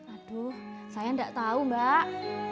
aduh saya nggak tahu mbak